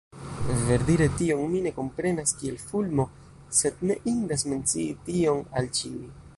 Verdire tion mi ne komprenas kiel fulmo, sed ne indas mencii tion al ĉiuj.